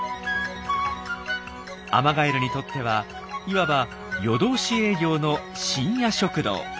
アマガエルにとってはいわば夜通し営業の深夜食堂。